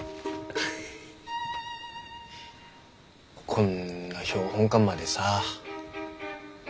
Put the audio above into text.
こんな標本館までさ。